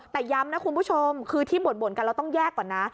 แต่ย้ำนะคุณผู้ชมคือที่บ่นกันเราต้องแยกก่อนนะ